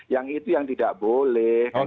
yang itu yang tidak boleh